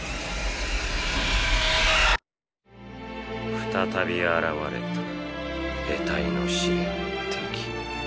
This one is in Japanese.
再び現れた得体の知れない敵。